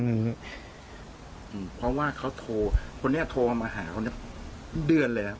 อืมเพราะว่าเขาโทรคนนี้โทรมาหาเขาเนี้ยเดือนเลยครับ